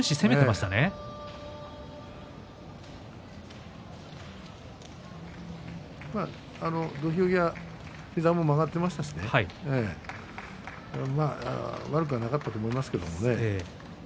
まあ土俵際膝も曲がっていましたしね悪くはなかったと思いますけれどもね。